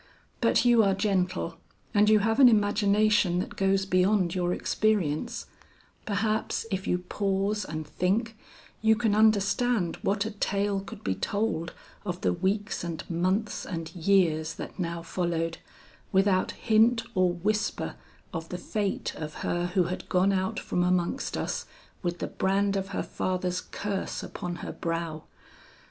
But you are gentle, and you have an imagination that goes beyond your experience; perhaps if you pause and think, you can understand what a tale could be told of the weeks and months and years that now followed, without hint or whisper of the fate of her who had gone out from amongst us with the brand of her father's curse upon her brow.